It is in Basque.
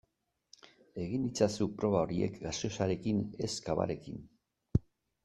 Egin itzazu proba horiek gaseosarekin ez cavarekin.